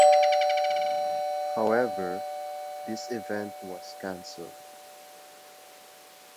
However, this event was cancelled.